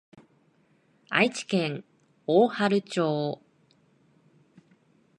愛知県大治町